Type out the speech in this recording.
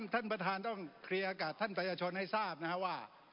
ท่านประธานต้องเคลียร์อากาศท่านประชาชนให้ทราบนะครับว่า